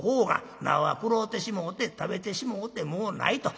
菜は食ろうてしもうて食べてしもうてもうないと。